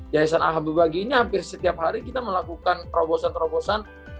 yayasan ahabubagi ini hampir setiap hari kita melakukan terobosan terobosan